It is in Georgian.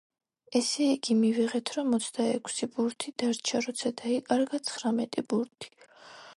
ესე იგი, მივიღეთ რომ ოცდაექვსი ბურთი დარჩა როცა დაიკარგა ცხრამეტი ბურთი.